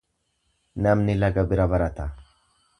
Namni laga bira barata.